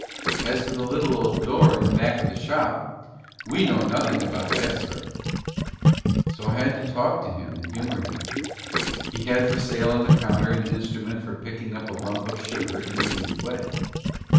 As to the little old door in the back of the shop, "We know nothing about that, sir." So I had to talk to him and humour him. He had for sale on the counter an instrument for picking up a lump of sugar in a new way.